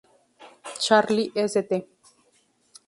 Charlie St.